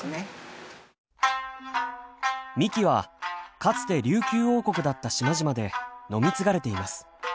みきはかつて琉球王国だった島々で飲み継がれています。